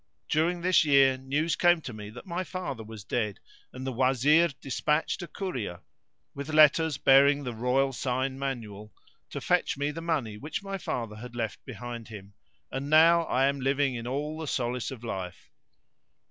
During this year news came to me that my father was dead and the Wazir despatched a courier, with letters bearing the royal sign manual, to fetch me the money which my father had left behind him, and now I am living in all the solace of life.